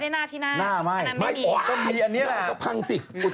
ซ้ำเข้ามานั่งให้หนูหน่อย